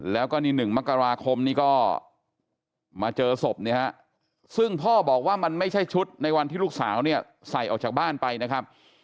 แล้วก็นี่๑มกราคมนี้ก็มาเจอศพเนี่ยฮะซึ่งพ่อบอกว่ามันไม่ใช่ชุดในวันที่ลูกสาวเนี่ยใส่ออกจากบ้านไปนะครับ